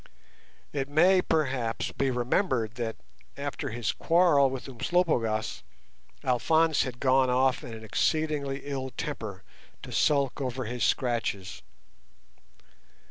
It may, perhaps, be remembered that, after his quarrel with Umslopogaas, Alphonse had gone off in an exceedingly ill temper to sulk over his scratches.